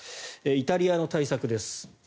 イタリアの対策です。